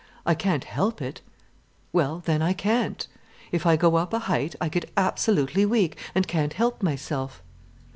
—I can't help it, well then I can't. If I go up a height, I get absolutely weak, and can't help myself."